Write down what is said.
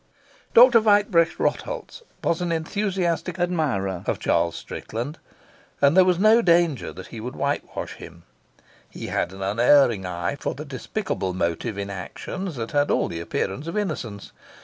Dr. Weitbrecht Rotholz was an enthusiastic admirer of Charles Strickland, and there was no danger that he would whitewash him. He had an unerring eye for the despicable motive in actions that had all the appearance of innocence.